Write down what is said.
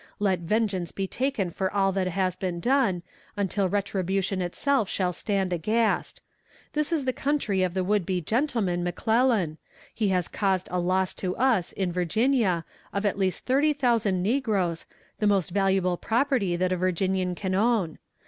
Let vengeance be taken for all that has been done, until retribution itself shall stand aghast. This is the country of the would be gentleman, McClellan. He has caused a loss to us, in Virginia, of at least thirty thousand negroes, the most valuable property that a Virginian can own.